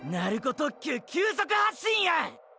特急急速発進や！！